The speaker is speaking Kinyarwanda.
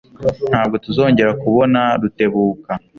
Ntabwo tuzongera kubona Rutebuka.